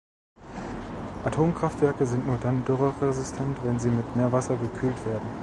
Atomkraftwerke sind nur dann dürreresistent, wenn sie mit Meerwasser gekühlt werden.